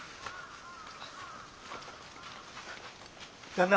旦那！